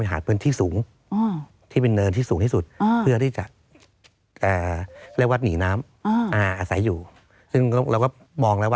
คิดกับ